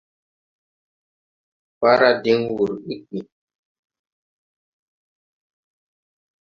Wara diŋ wur iggi.